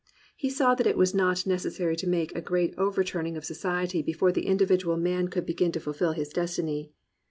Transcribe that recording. He saw that it was not necessary to make a great overturning of society before the individual man could begin to 226 THE RECOVERY OF JOY fulfil his destiny.